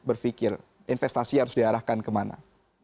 berpikir investasi harus diarahkan kemana